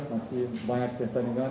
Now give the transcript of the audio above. masih banyak pertandingan